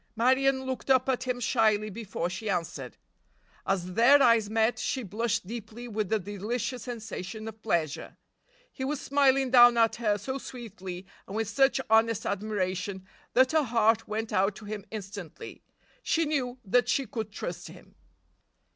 Marion looked up at him shyly before she answered. As their eyes met she blushed deeply with a delicious sensation of pleasure. He was smiling down at her so sweetly and with such honest admiration that her heart went out to him instantly—she knew that she could trust him.